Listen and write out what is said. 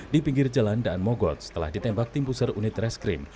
di pinggir jalan daan mogot setelah ditembak tim puser unit reskrim